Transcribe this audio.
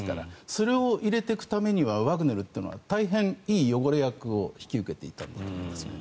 それを入れていくためにはワグネルというのは大変いい汚れ役を引き受けていたんだと思います。